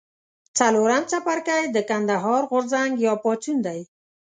څلورم څپرکی د کندهار غورځنګ یا پاڅون دی.